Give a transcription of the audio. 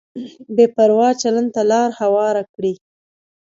بې پروا چلند ته لار هواره کړي.